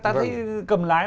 ta thấy cầm lái